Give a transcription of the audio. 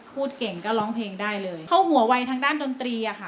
พูดเก่งก็ร้องเพลงได้เลยเพราะหัววัยทางด้านดนตรีอะค่ะ